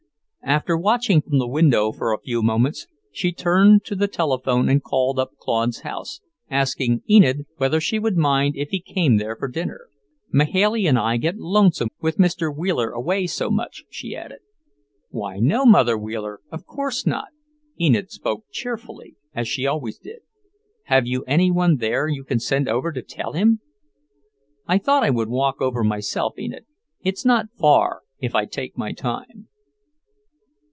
After watching from the window for a few moments, she turned to the telephone and called up Claude's house, asking Enid whether she would mind if he came there for dinner. "Mahailey and I get lonesome with Mr. Wheeler away so much," she added. "Why, no, Mother Wheeler, of course not." Enid spoke cheerfully, as she always did. "Have you any one there you can send over to tell him?" "I thought I would walk over myself, Enid. It's not far, if I take my time."